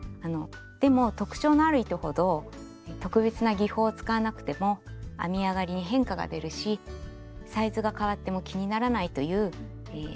でも特徴のある糸ほど特別な技法を使わなくても編み上がりに変化が出るしサイズが変わっても気にならないという利点があります。